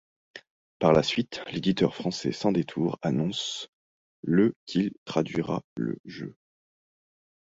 Par la suite, l'éditeur français Sans-Détour annonce le qu'il traduira le jeu.